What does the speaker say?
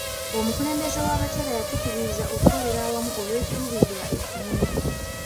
Omukulembeze w'abakyala yatukubirizza okukolera awamu olw'ekiruubirirwa ekinene.